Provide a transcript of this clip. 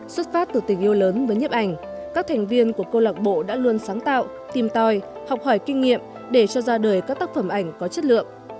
xuất phát từ tình yêu lớn với nhấp ảnh các thành viên của câu lạc bộ đã luôn sáng tạo tìm tòi học hỏi kinh nghiệm để cho ra đời các tác phẩm ảnh có chất lượng